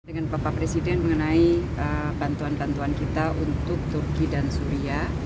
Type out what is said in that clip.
dengan bapak presiden mengenai bantuan bantuan kita untuk turki dan suria